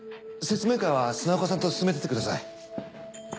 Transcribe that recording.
説明会は砂岡さんと進めててください。